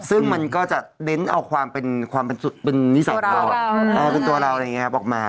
ซึ่งมันก็จะเน้นเอาความเป็นจุดเป็นนิสัยเราเป็นตัวเราอะไรอย่างนี้ครับออกมา